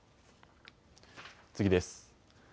次です。